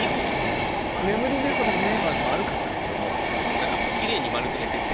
何かきれいに丸く寝てて。